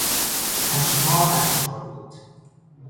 چشمان اشک آلود